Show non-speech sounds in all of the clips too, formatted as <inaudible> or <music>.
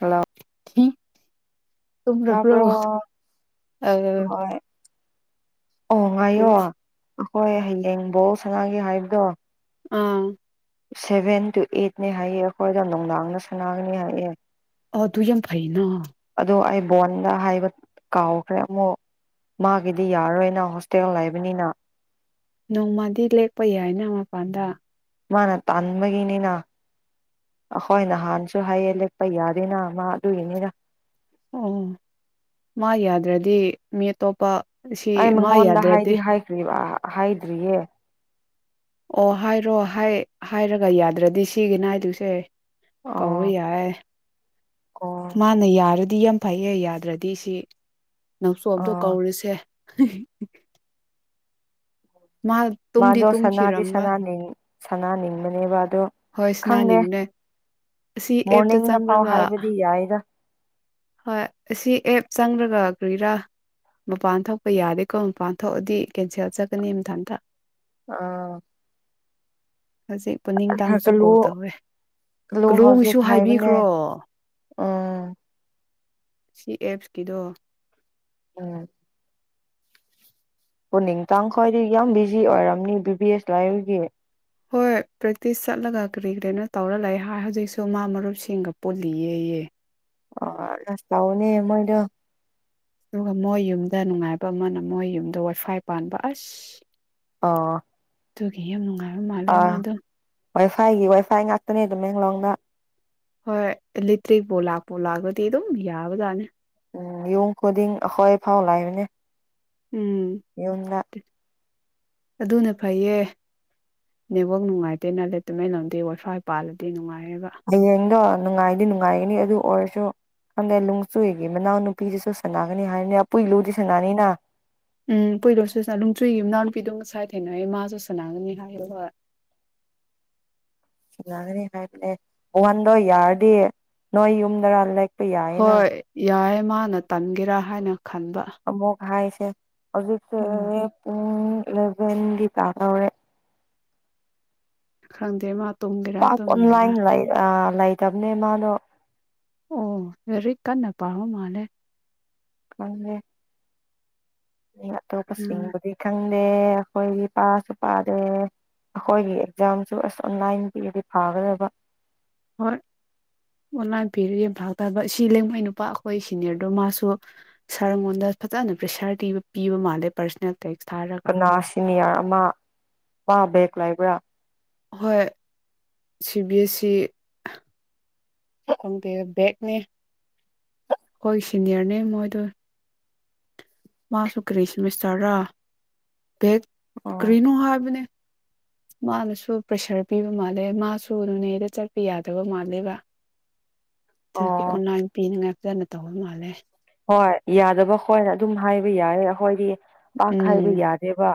ꯍꯂꯥꯎ ꯎꯝ ꯇꯨꯝꯈ꯭ꯔꯕ꯭ꯔꯣ ꯑ ꯍꯣꯏ ꯑꯣ ꯉꯌꯣ ꯑꯈꯣꯏ ꯍꯌꯦꯡ ꯕꯣꯜ ꯁꯥꯟꯅꯒꯦ ꯍꯥꯏꯕꯗꯣ ꯑꯥ ꯁꯦꯚꯦꯟ ꯇꯨ ꯑꯩꯠꯅꯦ ꯍꯥꯏꯌꯦ ꯑꯈꯣꯏꯗꯣ ꯅꯨꯡꯗꯥꯡꯗ ꯁꯥꯟꯅꯒꯅꯤ ꯍꯥꯏꯌꯦ ꯑ ꯑꯗꯨꯨꯏ ꯌꯥꯝ ꯑꯃ ꯐꯩꯅ ꯑꯗꯣ ꯑꯩ ꯕꯣꯟꯗ ꯍꯥꯏꯕ ꯀꯥꯎꯈ꯭ꯔꯦ ꯑꯃꯨꯛ ꯃꯥꯒꯤꯗꯤ ꯌꯥꯔꯔꯣꯏꯅ ꯍꯣꯁꯇꯦꯜ ꯂꯩꯕꯅꯤꯅ ꯅꯣꯡꯃꯗꯤ ꯂꯦꯛꯄ ꯌꯥꯏꯅ ꯃꯄꯥꯟꯗ ꯃꯥꯅ ꯇꯥꯟꯕꯒꯤꯅꯤꯅ ꯑꯈꯣꯏ ꯅꯍꯥꯟꯁꯨ ꯍꯥꯏꯌꯦ ꯂꯦꯞꯄ ꯌꯥꯗꯦꯅ ꯃꯥ ꯑꯗꯨꯒꯤꯅꯤꯅ ꯑꯣ ꯃꯥ ꯌꯥꯗ꯭ꯔꯗꯤ ꯃꯤ ꯑꯇꯣꯞꯄ ꯁꯤ ꯑꯩ ꯃꯥ ꯃꯉꯣꯟꯗ ꯌꯥꯗ꯭ꯔꯗꯤ ꯍꯥꯏꯗꯤ ꯍꯥꯏꯈ꯭ꯔꯤꯕ ꯍꯥꯏꯗ꯭ꯔꯤꯌꯦ ꯑꯣ ꯍꯥꯏꯔꯣ ꯍꯥꯏꯔꯒ ꯌꯥꯗ꯭ꯔꯗꯤ ꯁꯤꯒꯤꯅ ꯍꯥꯏꯗꯨꯁꯦ ꯀꯧ ꯑꯣ ꯌꯥꯏ ꯑꯣ ꯃꯥꯅꯦ ꯌꯥꯔꯗꯤ ꯗꯤ ꯌꯥꯝ ꯐꯩꯌꯦ ꯌꯥꯗ꯭ꯔꯗꯤ ꯁꯤ ꯅꯧꯁꯣꯝꯇꯣ ꯑꯥ ꯀꯧꯔꯁꯦ <unintelligible> ꯃꯥ ꯇꯨꯝꯗꯤ ꯃꯥꯅ ꯁꯅꯥꯗꯤ ꯇꯨꯝꯈꯤꯔꯝꯂꯣꯏ ꯁꯅꯥꯅꯤ ꯁꯅꯥꯅꯤꯡꯕꯅꯦꯕ ꯑꯗꯣ ꯍꯣꯏ ꯈꯪꯗꯦ ꯁꯅꯥꯅꯤꯡꯅꯦ ꯑꯁꯤ ꯑꯦꯞꯇ ꯃꯣꯔꯅꯤꯡꯗ ꯐꯥꯎ ꯆꯪ꯭ꯔꯒ ꯍꯥꯏꯕꯗꯤ ꯌꯥꯏꯗ ꯍꯣꯏ ꯑꯁꯤ ꯑꯦꯞ ꯆꯪꯉꯒ ꯀ꯭ꯔꯤꯔꯥ ꯃꯄꯥꯟ ꯊꯣꯛꯄ ꯌꯥꯗꯦꯀꯣ ꯃꯄꯥꯟ ꯊꯣꯛꯑꯗꯤ ꯀꯦꯟꯁꯦꯜ ꯆꯠꯀꯅꯤ ꯃꯊꯟꯇ ꯑꯣ ꯍꯖꯤꯛ ꯄꯅꯤ ꯃꯇꯥꯡꯁꯨ ꯀꯜꯂꯨ ꯀꯣꯜ ꯇꯧꯋꯦ ꯀꯜꯂꯨ ꯍꯧꯖꯤꯛ ꯀꯂꯣꯡꯁꯨ ꯍꯥꯏꯕꯅꯦ ꯍꯥꯏꯕꯤꯈ꯭ꯔꯣ ꯎꯝ ꯁꯤ ꯑꯦꯞꯁꯀꯤꯗꯣ ꯎꯨꯝ ꯑꯣ ꯅꯤꯡꯇꯥꯡ ꯈꯣꯏꯗꯤ ꯌꯥꯝ ꯕꯤꯖꯤ ꯑꯣꯏꯔꯝꯅꯤ ꯕꯤ-ꯕꯤ ꯑꯦꯁ ꯂꯥꯏꯕꯒꯤ ꯍꯣꯏ ꯄ꯭ꯔꯦꯛꯇꯤꯁ ꯆꯠꯂꯒ ꯀꯔꯤ-ꯀꯔꯤꯅꯣ ꯇꯧꯔ ꯂꯩ ꯍꯥꯏ ꯍꯧꯖꯤꯛꯁꯨ ꯃꯥ ꯃꯔꯨꯞꯁꯤꯡꯒ ꯄꯨꯜꯂꯤꯌꯦꯌꯦ ꯑ ꯑꯁ ꯇꯕꯅꯦ ꯃꯣꯏꯗꯣ ꯑꯗꯨꯒ ꯃꯣꯏ ꯌꯨꯝꯗ ꯅꯨꯡꯉꯥꯏꯕ ꯑꯃꯅ ꯃꯣꯏ ꯌꯨꯝꯗ ꯋꯥꯏꯐꯥꯏ ꯄꯥꯟꯕ ꯑꯁ ꯑꯣ ꯑꯗꯨꯒꯤ ꯌꯥꯝ ꯅꯨꯡꯉꯥꯏ ꯃꯥꯂꯦ ꯃꯥꯗꯨ ꯋꯥꯏꯐꯥꯏꯒꯤ ꯋꯥꯏꯐꯥꯏ ꯉꯥꯛꯇꯅꯦ ꯇꯥꯃꯦꯡꯂꯣꯡꯗ ꯍꯣꯏ ꯏꯂꯩꯇ꯭ꯔꯤꯛꯄꯨ ꯂꯥꯛꯄꯨ ꯂꯥꯛꯂꯥꯗꯤ ꯑꯗꯨꯝ ꯌꯥꯕꯖꯥꯅꯤ ꯎꯨꯝ ꯌꯨꯝ ꯈꯨꯗꯤꯡ ꯑꯈꯣꯏ ꯐꯥꯎ ꯂꯥꯛꯏꯕꯅꯤ ꯎꯨꯝ ꯑꯗꯨꯅ ꯐꯩꯌꯦ ꯅꯦꯠꯋꯥꯛ ꯅꯨꯡꯉꯥꯏꯇꯦꯅ ꯂꯩꯇꯦꯅ ꯉꯝꯗꯦ ꯋꯥꯏꯐꯏ ꯄꯥꯜꯂꯗꯤ ꯅꯨꯡꯉꯥꯏ ꯍꯌꯦꯡꯗꯣ ꯅꯨꯡꯉꯥꯏꯗꯤ ꯅꯨꯡꯉꯥꯏꯒꯅꯤ ꯑꯗꯨ ꯑꯣꯏꯔꯁꯨ ꯑꯗꯩ ꯅꯨꯡꯆꯨꯏꯒꯤ ꯃꯅꯥꯎ ꯅꯨꯄꯤꯁꯤꯁꯨ ꯁꯥꯟꯅꯒꯅꯤ ꯍꯥꯏꯅꯦ ꯑ ꯎꯝ ꯄꯨꯏꯂꯨꯁꯨ ꯂꯨꯝꯆꯨꯏꯒꯤ ꯌꯨꯝꯅꯄꯤꯗꯨ ꯁꯥꯏ ꯊꯦꯡꯅꯔꯦ ꯃꯥꯁꯨ ꯁꯅꯥꯥꯡꯅꯤ ꯍꯥꯏ ꯁꯅꯒꯅꯤ ꯍꯥꯏꯕꯅꯦ ꯋꯥꯟꯗꯣ ꯌꯥꯔꯗꯤ ꯅꯣꯏ ꯌꯨꯝꯗꯔꯥ ꯂꯩ ꯍꯣꯏ ꯌꯥꯏ ꯃꯥꯟꯅ ꯇꯟꯒꯦꯔꯥ ꯍꯥꯏꯅ ꯈꯟꯕ ꯑꯃꯨꯛ ꯍꯥꯏꯁ ꯑꯦ ꯍꯧꯖꯤꯛꯁꯦ ꯎꯝ ꯄꯨꯡ ꯏꯂꯦꯕꯦꯟꯗꯤ ꯇꯥꯗꯧꯔꯦ ꯈꯪꯗꯦ ꯃꯥ ꯇꯨꯝꯒꯦꯔꯥ ꯄꯥꯄ ꯑꯝ ꯇꯨꯝꯂꯣꯏꯔꯥ ꯂꯥꯏꯟ ꯂꯥꯏ ꯑ ꯂꯩꯇꯕꯅꯦ ꯃꯥꯗꯣ ꯑꯣ ꯂꯥꯏꯔꯤꯛ ꯀꯟꯅ ꯄꯥꯕ ꯃꯥꯜꯂꯦ ꯈꯪꯗꯦ ꯑꯇꯣꯞꯄ ꯎꯝ ꯁꯤꯡꯕꯨꯗꯤ ꯈꯪ ꯗꯦ ꯑꯩꯈꯣꯏꯒꯤ ꯄꯥꯁꯨ ꯄꯥꯗꯦ ꯑꯩꯈꯣꯏꯒꯤ ꯑꯦꯛꯖꯥꯝꯁꯨ ꯑꯁ ꯑꯣꯟꯂꯥꯏꯟ ꯄꯤꯔꯗꯤ ꯐꯥꯒꯗꯕ ꯍꯣꯏ ꯑꯣꯟꯂꯥꯏꯟ ꯄꯦꯔꯗꯤ ꯌꯦ ꯐꯒꯗꯕ ꯁꯤ ꯂꯩꯉꯣꯏ ꯅꯨꯄꯥ ꯑꯩꯈꯣꯏ ꯁꯤꯅꯤꯌꯔꯗꯣ ꯃꯥꯁꯨ ꯁꯥꯔꯉꯣꯟꯗ ꯐꯖꯅ ꯄ꯭ꯔꯦꯁꯔ ꯄꯤꯕ ꯃꯥꯜꯂꯦ ꯄꯥꯔꯁꯣꯅꯦꯜ ꯇꯦꯛꯁ ꯊꯥꯔꯒ ꯀꯅꯥ ꯁꯤꯅꯤꯌꯥꯔ ꯑꯃ ꯄꯥꯕꯦꯛ ꯂꯩꯕ꯭ꯔꯥ ꯍꯣꯏ ꯁꯤ ꯕꯤ ꯑꯦꯁ ꯁꯤ ꯈꯪꯗꯦ ꯕꯦꯛꯅꯦ ꯑꯩꯈꯣꯏ ꯁꯤꯅꯤꯌꯔꯅꯦ ꯃꯣꯏꯗꯣ ꯃꯥꯁꯨ ꯀꯔꯤ ꯁꯦꯃꯤꯁꯇꯔꯔꯥ ꯚꯦꯛ ꯑꯣ ꯀꯔꯤꯅꯣ ꯍꯥꯏꯕꯅꯦ ꯃꯥꯅꯁꯨ ꯄ꯭ꯔꯦꯁꯔ ꯄꯤꯕ ꯃꯥꯜꯂꯦ ꯃꯥꯁꯨ ꯅꯣꯅꯦꯗ ꯆꯠꯀꯦ ꯌꯥꯗꯕ ꯃꯥꯜꯂꯦꯕ ꯑꯗꯨꯒꯤ ꯑꯣ ꯑꯣꯟꯂꯥꯏꯟ ꯄꯤꯅꯤꯡꯉꯥ ꯐꯖꯅ ꯇꯧꯕ ꯃꯥꯜꯂꯦ ꯍꯣꯏ ꯌꯥꯗꯕ ꯈꯣꯏꯅ ꯑꯗꯨꯝ ꯍꯥꯏꯕ ꯌꯥꯌꯦ ꯑꯈꯣꯏꯗꯤ ꯄꯥꯛ ꯍꯥꯏꯕ ꯌꯥꯗꯦꯕ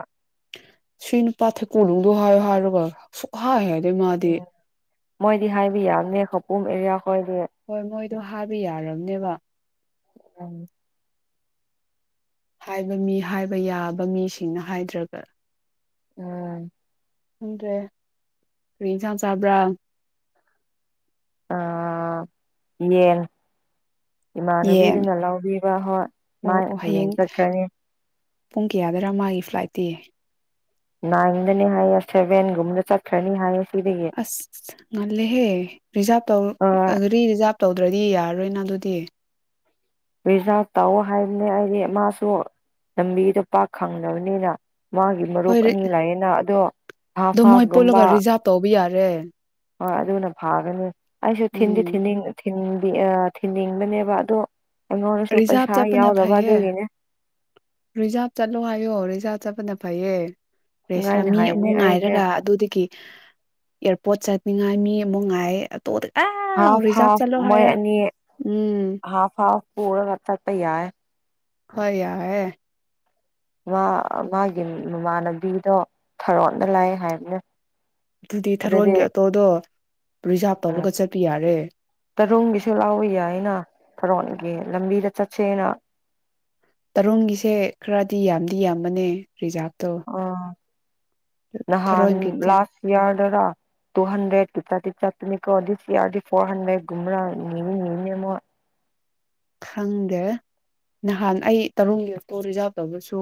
ꯁꯨꯏ ꯅꯨꯄꯥ ꯊꯦꯀꯨꯂꯨꯡꯗꯨ ꯍꯥꯏꯌꯣ ꯍꯥꯏꯔꯒ ꯄ ꯍꯥꯏ ꯍꯥꯏꯔꯦ ꯃꯥꯗꯤ ꯃꯣꯏ ꯍꯥꯏꯕ ꯌꯥꯕꯅꯦ ꯈꯧꯄꯨꯝ ꯑꯦꯔꯤꯌꯥ ꯍꯣꯏꯗꯤ ꯑꯗꯨ ꯍꯥꯏꯕ ꯌꯥꯔꯕꯅꯦꯕ ꯎꯝ ꯍꯥꯏꯕ ꯃꯤ ꯍꯥꯏꯕ ꯌꯥꯕ ꯃꯤꯁꯤꯡꯅ ꯍꯥꯏꯗ꯭ꯔꯒ ꯎꯝ ꯈꯪꯗ꯭ꯔꯦ ꯀꯔꯤ ꯏꯟꯁꯥꯡ ꯆꯥꯕ꯭ꯔꯥ ꯑꯥ ꯌꯦꯟ ꯌꯦꯟ ꯏꯃꯥꯟꯅꯕꯤꯗꯨꯅ ꯂꯧꯕꯤꯕ ꯍꯣꯏ ꯃꯥ ꯑꯣ ꯑꯣ ꯍꯌꯦꯡ ꯆꯠꯈ꯭ꯔꯅꯤ ꯄꯨꯡ ꯀꯌꯥꯗꯔ ꯃꯥꯒꯤ ꯐ꯭ꯂꯥꯏꯠꯇꯤ ꯅꯥꯏꯟꯗꯅꯤ ꯍꯥꯏꯌꯦ ꯁꯦꯚꯦꯟꯒꯨꯝꯕꯗ ꯆꯠꯈ꯭ꯔꯅꯤ ꯍꯥꯏꯌꯦ ꯁꯤꯗꯒꯤ ꯑꯁ ꯉꯜꯂꯦꯍꯦ ꯔꯤꯖꯥꯞ ꯑꯥ ꯇꯧꯔ ꯒꯥꯔꯤ ꯔꯤꯖꯥꯞ ꯇꯧꯗ꯭ꯔꯗꯤ ꯌꯥꯔꯔꯣꯏꯅ ꯑꯗꯨꯗꯤ ꯔꯤꯖꯥꯔꯚ ꯇꯧꯋꫭ ꯍꯥꯏꯕꯅꯦ ꯑꯩꯗꯤ ꯃꯥꯁꯨ ꯂꯝꯕꯤꯗꯣ ꯄꯥꯛ ꯈꯪꯗꯕꯅꯤꯅ ꯃꯥꯒꯤ ꯃꯔꯨꯞ ꯍꯣꯏ ꯑꯅꯤ ꯂꯥꯛꯌꯦꯅ ꯑꯗꯣ ꯍꯥꯐ ꯍꯥꯐ ꯒꯨꯝꯕ ꯔꯦ ꯍꯣꯏ ꯑꯗꯨꯅ ꯐꯥꯒꯅꯤ ꯑꯩꯁꯨ ꯊꯤꯟꯗꯤ ꯎꯝ ꯊꯤꯟꯅꯤꯡ ꯊꯤꯟ ꯑꯥ ꯊꯤꯟꯅꯤꯡꯕꯅꯦꯕ ꯑꯗꯣ ꯀꯩꯅꫭꯒꯤꯁꯨ ꯔꯤꯖꯥꯕ ꯄꯩꯁꯥ ꯌꯥꯎꯗꯕ ꯑꯗꯨꯒꯤꯅꯦ ꯔꯤꯖꯥꯚ ꯆꯠꯂꯣ ꯍꯥꯏꯌꯣ ꯔꯤꯖꯥꯚ ꯆꯠꯄꯅ ꯐꯩꯌꯦ ꯔꯦꯁꯤꯔꯥ ꯉꯥꯏꯅ ꯃꯤ ꯍꯥꯏꯅꯤ ꯑꯃꯨꯛ ꯑꯩꯁꯦ ꯉꯥꯏꯔꯒ ꯑꯗꯨꯗꯒꯤ ꯑꯦꯌꯥꯔ ꯄꯣꯠ ꯆꯥꯠꯅꯤꯡꯉꯥꯏ ꯃꯤ ꯑꯃꯛ ꯉꯥꯏ ꯑꯇꯣ ꯍꯥꯐ ꯍꯥꯐ ꯃꯣꯏ ꯑꯅꯤ ꯎꯝ ꯍꯥꯐ ꯍꯥꯐ ꯄꯨꯔꯒ ꯊꯛꯄ ꯌꯥꯏ ꯍꯣꯏ ꯌꯥꯑꯦ ꯃꯥ ꯃꯥꯒꯤ ꯃꯃꯥꯟꯅꯕꯤꯗꯣ ꯊꯥꯔꯣꯟꯗ ꯂꯥꯛꯑꯦ ꯍꯥꯏꯕꯅꯦ ꯑꯗꯨꯗꯤ ꯊꯥꯔꯣꯟꯒꯤ ꯑꯣꯇꯣꯗꯣ ꯔꯤꯖꯥꯞ ꯎꯝ ꯇꯧꯔꯒ ꯆꯠꯄ ꯌꯥꯔꯦ ꯇꯔꯨꯡꯒꯤꯁꯨ ꯂꯥꯎꯕ ꯌꯥꯏꯅ ꯊꯔꯣꯟꯒꯤ ꯂꯝꯕꯤꯗ ꯆꯠ ꯁꯦꯅ ꯇꯔꯨꯡꯒꯤꯁꯦ ꯈꯔꯗꯤ ꯌꯥꯝꯗꯤ ꯌꯥꯝꯕꯅꯦ ꯔꯤꯖꯥꯕ ꯇꫭ ꯑ ꯅꯍꯥꯟ ꯂꯥꯁ ꯏꯌꯥꯔ ꯗꯨꯔꫭ ꯇꯨ ꯍꯟꯗ꯭ꯔꯦꯠꯇ ꯆꯠꯇꯤ ꯆꯠꯄꯅꯦꯀꯣ ꯗꯤꯁ ꯏꯌꯥꯔꯗꯤ ꯐꯣꯔ ꯍꯟꯗ꯭ꯔꯦꯠ ꯀꯨꯝꯕꯔꯥ ꯅꯤꯗꯤ ꯅꯤꯕꯅꯦ ꯃꫭ ꯈꯪꯗꯦ ꯅꯍꯥꯟ ꯑꯩ ꯇꯔꯨꯛꯒꯤ ꯑꯇꯣ ꯔꯤꯖꯥꯕ ꯇꯧꯕꯁꯨ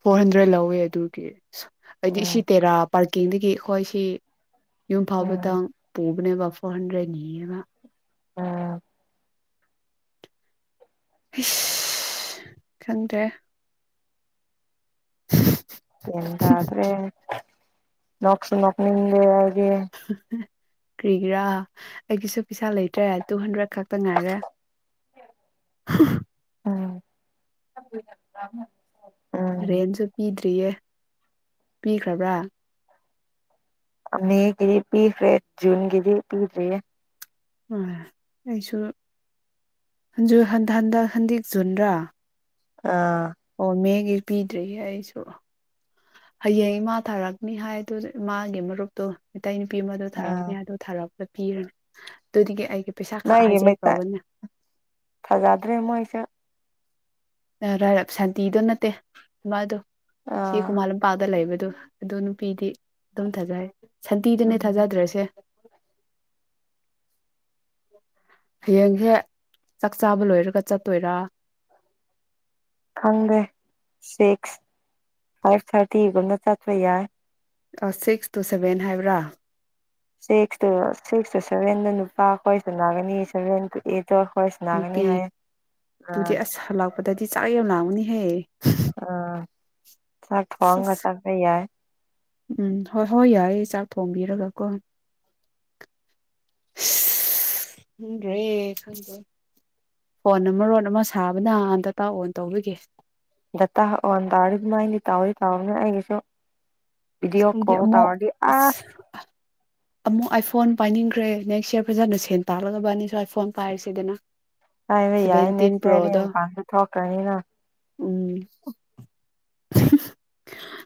ꯐꯣꯔ ꯍꯟꯗ꯭ꯔꯦꯠ ꯂꯧꯋꯦ ꯑꯗꯨꯒꯤ ꯁꯨ ꯍꯥꯏꯗꯤ ꯁꯤ ꯎꯝ ꯇꯦꯔꯥ ꯄꯥꯔ ꯀꯤꯡꯗꯒꯤ ꯑꯈꯣꯏꯁꯤ ꯌꯨꯝ ꯐꯥꯎꯕꯗ ꯎꯝ ꯇꯪ ꯄꯨ ꯕꯅꯦꯕ ꯐꯣꯔ ꯍꯟꯗ꯭ꯔꯦꯠ ꯅꯤꯌꯦꯕ ꯎꯝ ꯏꯁ ꯈꯪꯗ꯭ꯔꯦ <inaudible> ꯒ꯭ꯌꯥꯟ ꯇꯥꯗ꯭ꯔꯦ ꯅꯣꯛꯁꯨ ꯅꫭꯛꯅꯤꯡꯉꯦ ꯑꯩ <inaudible> ꯀ꯭ꯔꯤꯒꯤꯔꯥ ꯑꯩꯒꯤꯁꯨ ꯄꯩꯁꯥ ꯂꯩꯇ꯭ꯔꯦ ꯇꯨ ꯍꯟꯗ꯭ꯔꯦꯠ ꯈꯛꯇ ꯉꯥꯏꯔꯦ ꯎꯝ ꯎꯝ ꯔꯦꯟꯁꯨ ꯄꯤ ꯗꯤꯌꯦ ꯄꯤꯈ꯭ꯔꯕ꯭ꯔꯥ ꯑ ꯃꯦꯒꯤꯗꯤ ꯄꯤꯈ꯭ꯔꯦ ꯖꯨꯟ ꯒꯤꯗꯤ ꯄꯤꯗ꯭ꯔꯤꯌꯦ ꯑ ꯑꯩꯁꯨ ꯖꯨ ꯍꯟꯗ ꯍꯟꯗꯦꯛ ꯖꯨꯟꯔꯥ ꯑꯥ ꯑꯣ ꯃꯦꯒꯤ ꯄꯤꯗ꯭ꯔꯤꯌꯦ ꯑꯩꯁꯨ ꯍꯌꯦꯡ ꯏꯃꯥ ꯊꯥꯔꯛꯅꯤ ꯍꯥꯏꯗꯨꯗ ꯏꯃꯥꯒꯤ ꯃꯔꯨꯞꯇꯣ ꯑꯇꯩ ꯅꯨꯄꯤ ꯑꯃꯗꯣ ꯊꯥꯔꯛꯅꯤ ꯑꯥ ꯑꯗꫭ ꯊꯥꯔꯛ ꯄꯤꯔꯅꯤ ꯑꯗꯨꯗꯒꯤ ꯑꯩ ꯅꯪꯒꯤ ꯃꯩꯇ ꯐꯖꯗ꯭ꯔꯦ ꯃꯣꯏꯁꯨꯦ ꯅ ꯔ ꯁꯥꯟꯇꯤꯗꯣ ꯅꯠꯇꯦ ꯃꯥꯗꯣ ꯁꯤ ꯑꯥ ꯈꯨꯨꯃꯥ ꯂꯝꯄꯥꯥꯗ ꯂꯩꯕ ꯗꯨ ꯑꯗꯨ ꯅꯨꯄꯤꯗꯤ ꯗꯨꯝ ꯊꯥꯖꯩ ꯁꯟꯇꯤꯗꯨꯅꯦ ꯎꯝ ꯊꯥꯖꯗ꯭ꯔꯦꯁꯦ ꯍꯌꯦꯡ ꯍꯦ ꯆꯥꯛ ꯆꯥꯕ ꯂꯣꯏꯔꯒ ꯆꯠꯇꯣꯏꯔꯥ ꯈꯪꯗꯦ ꯁꯤꯛꯁ ꯐꯥꯏꯚ ꯊꯥꯔꯇꯤꯒꯨꯝꯕꯗ ꯆꯠꯄ ꯌꯥꯏ ꯑ ꯁꯤꯛꯁ ꯇꯨ ꯁꯦꯚꯦꯟ ꯍꯥꯏꯕ꯭ꯔꯥ ꯁꯤꯛꯁ ꯇꯨ ꯁꯤꯛꯁ ꯗꯨ ꯚꯦꯟꯗ ꯅꯨꯄꯥ ꯈꯣꯏ ꯁꯅꯥꯒꯅꯤ ꯁꯚꯦꯟ ꯇꯨ ꯑꯩꯠ ꯅꯨꯄꯤ ꯑꯥ ꯗꯨꯗꯤ ꯑꯁ ꯂꯥꯛꯄꯗꯗꯤ ꯆꯥꯛ ꯌꯥꯝ ꯂꯥꯡꯒꯅꯤꯍꯦ ꯑꯥ ꯆꯥꯛ ꯊꯣꯡꯉꯒ ꯆꯠꯄ ꯌꯥꯏ ꯎꯝ ꯍꯣꯏ ꯍꯣꯏ ꯌꯥꯏꯌꯦ ꯆꯥꯛ ꯊꯣꯡꯕꯤꯔꯒꯀꯣ ꯑꯁ ꯈꯪꯗ꯭ꯔꯦ ꯈꯪꯗꯦ ꯐꯣꯟꯅ ꯃꯔꯣꯟ ꯑꯃ ꯁꯥꯕꯅ ꯗꯥꯇꯥ ꯑꯣꯟ ꯇꯧꯕꯒꯤ ꯗꯇꯥ ꯑꯣꯟ <unintelligible> ꯇꯥꯎꯑꯣꯅꯦ ꯑꯩꯒꯤꯁꯨ ꯚꯤꯗꯤꯑꯣ ꯑꯩꯗꯤ ꯀꯣꯜ ꯑꯃꯨꯛ ꯇꯧꯔꯗꯤ ꯑꯁ ꯑꯃꯨꯛ ꯑꯥꯏꯐꯣꯟ ꯄꯥꯏꯅꯤꯡꯈ꯭ꯔꯦ ꯅꯦꯛꯁ ꯌꯔ ꯐꯖꯅ ꯁꯦꯟ ꯇꯥꯛꯒꯗꯕ ꯑꯅꯤꯁꯨ ꯑꯥꯏꯐꯣꯟ ꯄꯥꯏꯔꯤꯁꯤꯗꯅ ꯄꯥꯏꯕ ꯌꯥꯏꯅꯦ ꯅꯦꯛ꯭ꯁ ꯌꯥꯔꯗꯤ ꯃꯄꯥꯟꯁꯨ ꯊꯣꯛ ꯀꯅꯤꯅ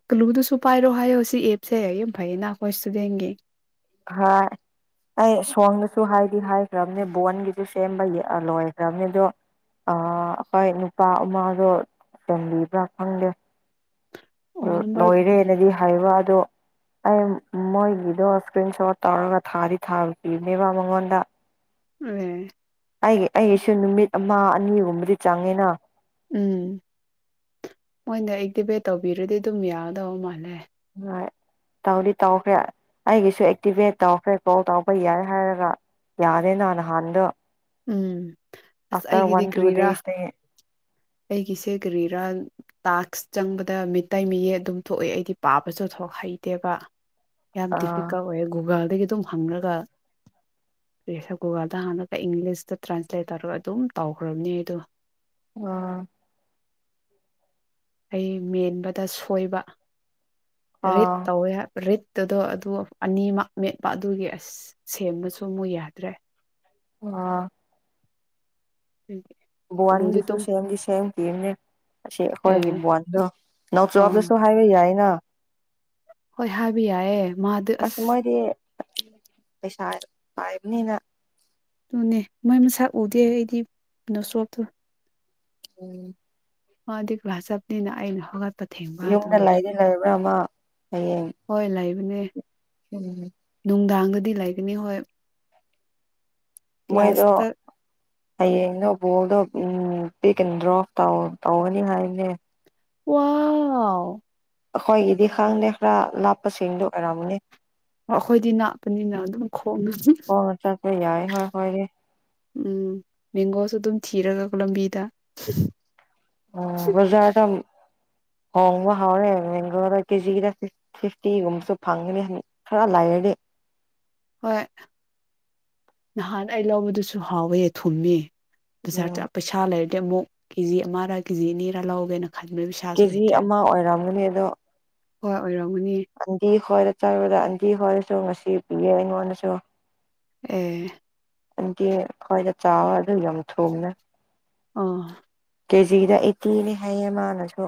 ꯀꯜꯂꯨꯕꯗꯨꯁꯨ ꯄꯥꯏꯔꯣ ꯍꯥꯏꯌꯣ ꯁꯤ ꯑꯦꯞꯁꯦ ꯌꯥꯝ ꯐꯩꯌꯦꯅ ꯑꯩꯈꯣꯏ ꯏꯁꯇꯨꯗꯦꯟꯒꯤ ꯍꯣꯏ ꯑꯩ ꯁꯣꯡꯗꯁꯨ ꯍꯥꯏꯗꯤ ꯍꯥꯏꯈ꯭ꯔꯕꯅꯦ ꯕꯣꯟꯒꯤꯁꯨ ꯁꯦꯝꯕ ꯂꯣꯏꯈ꯭ꯔꯕꯅꯦ ꯑꯗꯣ ꯑꯩꯈꯣꯏ ꯅꯨꯄꯥ ꯑꯃꯗꯣ ꯆꯦꯟꯕꯤꯕ꯭꯭ꯔꯥ ꯈꯪꯗꯦ ꯑꯣ ꯅꯝꯕꯔ ꯂꯣꯏꯔꯦꯅꯗꯤ ꯍꯥꯏꯕ ꯑꯗꯣ ꯑꯩ ꯃꯣꯏꯒꯤꯗꯣ ꯏꯁꯀ꯭ꯔꯤꯟ ꯁꯣꯠ ꯇꯧꯔꯒ ꯊꯥꯗꯤ ꯊꯥꯕ ꯄꯤꯕꯅꯦꯕ ꯃꯉꯣꯟꯗ ꯎꯝ ꯑꯩꯒꯤ ꯑꯩꯁꯨ ꯅꯨꯃꯤꯠ ꯑꯃ ꯑꯅꯤꯒꯨꯝꯕꯗꯤ ꯆꯪꯉꯦꯅ ꯎꯝ ꯃꯣꯏꯗ ꯑꯦꯛꯇꯤꯚꯦꯠ ꯇꯧꯕꯤꯔꯗꯤ ꯑꯗꯨꯝ ꯌꯥꯒꯗꯧꯕ ꯃꯥꯜꯂꯦ ꯍꯣꯏ ꯇꯧꯗꯤ ꯇꯧꯈ꯭ꯔꯦ ꯑꯩꯒꯤꯁꯨ ꯑꯦꯛꯇꯤꯚꯦꯠ ꯇꯧꯈ꯭ꯔꯦ ꯀꯣꯜ ꯇꯧꯕ ꯌꯥꯏ ꯍꯥꯏꯔꯒ ꯌꯥꯗꯦꯅ ꯅꯍꯥꯟꯗꯣ ꯎꯝ ꯑꯁ ꯑꯐꯇꯔ ꯋꯥꯟ ꯑꯩꯒꯤꯗꯤ ꯇꯨ ꯀꯔꯤꯔꯥ ꯗꯦꯁꯅꯦ ꯑꯩꯒꯤꯁꯦ ꯀꯔꯤꯔꯥ ꯇꯥꯛ꯭ꯁ ꯆꯪꯕꯗ ꯃꯤꯇꯩ ꯃꯤꯌꯦꯛ ꯑꯗꯨꯝ ꯊꯣꯛꯑꯦ ꯑꯩꯗꯤ ꯄꯥꯕꯁꯨꯊ ꯍꯩꯇꯦꯕ ꯌꯥꯝ ꯑꯥ ꯗꯤꯐꯤꯀꯜ ꯑꯣꯏꯌꯦ ꯒꯨꯒꯜꯗꯒꯤ ꯑꯗꯨꯝ ꯍꯪꯂꯉꯒ ꯄꯦꯁꯔ ꯒꯨꯒꯜꯗ ꯍꯥꯟꯅꯒꯜꯗ ꯏꯪꯂꯤꯁꯇ ꯇ꯭ꯔꯥꯟꯁꯂꯦꯠ ꯇꯧꯔꯒ ꯑꯗꯨꯝ ꯇꯧꯈ꯭ꯔꯕꯅꯤ ꯑꯗꯣ ꯑꯥ ꯑꯩ ꯃꯦꯟꯕꯗ ꯁꯣꯏꯕ ꯔꯤꯗ ꯑꯥ ꯇꯧꯋꯦ ꯔꯤꯠ ꯇꯗꯣ ꯑꯗꯨ ꯑꯅꯤꯃꯛ ꯃꯦꯠꯄ ꯑꯗꯨꯒꯤ ꯑꯁ ꯁꯦꯝꯕꯁꯨ ꯑꯃꯨꯛ ꯌꯥꯗ꯭ꯔꯦ ꯑꯥ ꯑꯗꯨꯒꯤ ꯑꯂꯨꯗꯤ ꯕ꯭ꯋꯥꯅꯤꯒꯤꯁꯨ ꯇꯨꯡ ꯁꯦꯡꯒꯤ ꯁꯦꯡ <unintelligible> ꯅꯦ ꯑꯁꯤ ꯑꯩꯈꯣꯏꯒꯤ ꯑꯦ ꯕꯣꯟꯗꯣ ꯅꯥꯎꯆꯥꯞꯇꯁꯨ ꯑꯥ ꯍꯥꯏꯕ ꯌꯥꯏꯅ ꯍꯣꯏ ꯍꯥꯏꯕ ꯌꯥꯌꯦ ꯃꯥꯗꯨ ꯑꯁ ꯄꯩꯁꯥ ꯄꯥꯏꯕꯅꯤꯅ ꯑꯗꯨꯅꯦ ꯃꯣꯏ ꯃꯁꯥ ꯎꯗꯦ ꯑꯩꯗꯤ ꯀꯩꯅꯣ ꯁꯣꯞꯇꯣ ꯎꯝ ꯃꯥꯗꯤ ꯀ꯭ꯂꯥꯁ ꯆꯠꯄꯅꯤꯅ ꯑꯩꯅ ꯍꯧꯒꯠ ꯌꯨꯝꯗ ꯂꯩꯗꯤ ꯂꯩꯕ꯭ꯔ ꯃ ꯍꯌꯦꯡ ꯃꯥꯅꯦ ꯎꯝ ꯅꯨꯡꯗꯥꯡꯒꯗꯤ ꯂꯩꯕꯅꯤ ꯍꯣꯏ ꯃꯣꯏꯗꯣ ꯀ꯭ꯂꯥꯁꯇ ꯍꯌꯦꯡꯗꯣ ꯕꯣꯜꯗꯣ ꯄꯤꯛ ꯑꯦꯟ ꯗ꯭ꯔꯣꯞ ꯇꯧꯒꯅꯤ ꯍꯥꯏꯅꯦ ꯋꯥ ꯑꯩꯈꯣꯏꯒꯤꯗꯤ ꯈꯪꯗꯦ ꯈꯔ ꯂꯥꯞꯄꯁꯤꯡꯗꯣ ꯑꯣꯏꯔꯝꯃꯅꯦ ꯑꯩꯈꯣꯏꯗꯤ ꯅꯥꯠꯄꯅꯤꯅ ꯑꯗꯨꯝ ꯈꯣꯡ ꯆꯠꯂꯅꯤ ꯈꯣꯡꯅ ꯆꯠꯄ ꯌꯥꯏ ꯍꯣꯏ ꯍꯣꯏꯗꯤ ꯎꯝ ꯃꯦꯡꯒꯣꯁꯨ ꯑꯗꯨꯝ ꯊꯤꯔꯒ ꯂꯝꯕꯤꯗ <unintelligible> ꯍꯣꯡꯕ ꯍꯧꯎꯔꯦ ꯃꯦꯡꯒꯂꯗ ꯀꯦꯖꯤꯒꯤꯗ ꯐꯤꯐꯇꯤꯒꯨꯝꯕꯁꯨ ꯐꯪꯒꯅꯤ ꯈꯔ ꯂꯩꯔꯗꯤ ꯍꯣꯏ ꯅꯍꯥꯟ ꯑꯩ ꯂꯧꯕꯗꯨꯁꯨ ꯍꯥꯎꯋꯦ ꯊꯨꯝꯃꯤ ꯎꯝ ꯕꯖꯥꯔ ꯄꯩꯁꯥ ꯂꯩ ꯑꯃꯨꯛ ꯀꯦ ꯖꯤ ꯑꯃꯔꯥ ꯀꯦꯖꯤ ꯑꯅꯤꯔꯥ ꯂꯧꯒꯦꯅ ꯈꯟꯕ ꯄꯩꯁꯥꯁꯨ ꯀꯦꯖꯤ ꯂꯩꯇ꯭ꯔꯦ ꯑꯃ ꯑꯣꯏꯔꯝꯒꯅꯤ ꯑꯗꯣ <unintelligible> ꯑꯟꯗꯤ ꯍꯣꯏ ꯑꯟꯗꯤ ꯍꯣꯏ ꯉꯁꯤ ꯄꯤꯌꯦ ꯑꯩꯉꯣꯟꯗꯁꯨ ꯑꯦ ꯑꯗꯨꯟꯗꯤ ꯈ꯭ꯋꯥꯏꯗ ꯆꯥꯕ ꯑꯗꯨ ꯌꯥꯝ ꯊꯣꯡꯅ <unintelligible> ꯀꯦꯖꯤꯗ ꯑꯩꯠꯇꯤꯅꯦ ꯍꯥꯏꯌꯦ ꯃꯥꯅꯁꯨ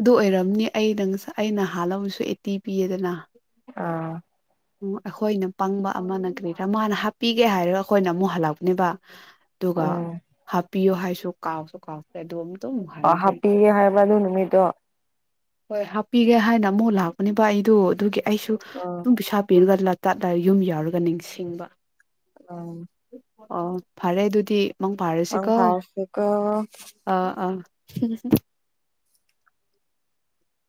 ꯑꯗꯨ ꯑꯣꯏꯔꯝꯅꯤ ꯑꯩ ꯅꯪ ꯑꯩꯅ ꯍꯥꯜꯂꯝꯕꯁꯨ ꯑꯩꯠꯇꯤ ꯄꯤꯌꯦꯗꯅ ꯑꯥ ꯎ ꯑꯩꯈꯣꯏꯅ ꯄꯪꯕ ꯑꯃꯅ ꯀꯔꯤꯔ ꯃꯥꯅ ꯍꯥꯞꯄꯤꯒꯦ ꯍꯥꯏꯔꯒ ꯑꯩꯈꯣꯏꯅ ꯑꯃꯨꯛ ꯍꯜꯂꯛꯄꯅꯦꯕ ꯑꯗꯨꯒ ꯎꯝ ꯍꯥꯞ ꯄꯤꯌꯣ ꯍꯥꯏꯁꯨ ꯀꯥꯎꯁꯨ ꯀꯥꯎꯁꯦ ꯑꯗꯨꯝ ꯄꯥ ꯍꯟꯈ꯭ꯔꯦ ꯍꯥꯞꯄꯤꯒꯦ ꯍꯥꯏꯕꯔ ꯑꯗꯨ ꯅꯨꯃꯤꯠꯇꯨ ꯍꯣꯏ ꯍꯥꯞꯄꯤꯒꯦ ꯍꯥꯏꯅ ꯑꯃꯨꯛ ꯂꯥꯛꯄꯅꯦꯕ ꯑꯩꯗ‌ꯣ ꯑꯗꯨꯒꯤ ꯑꯩꯁꯨꯨ ꯑꯥ ꯗꯨꯝ ꯚꯤꯁꯥ ꯄꯤꯔꯒ ꯂꯇꯥꯠ ꯌꯨꯝ ꯌꯥꯎꯔꯒ ꯅꯤꯡꯁꯤꯡꯕ <unintelligible> ꯑꯣ ꯐꯔꯦ ꯑꯗꯨꯗꯤ ꯃꯪ ꯑꯪ ꯐꯥꯔꯁꯤꯀꯣ ꯐꯥꯔꯁꯤ ꯀꫭ ꯑꯥ <unintelligible>